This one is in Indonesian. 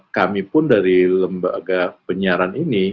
kami pun dari lembaga penyiaran ini